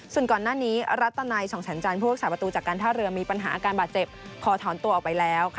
ส่วนก่อนหน้านี้รัตนัยสองแสนจันทร์ผู้รักษาประตูจากการท่าเรือมีปัญหาอาการบาดเจ็บขอถอนตัวออกไปแล้ว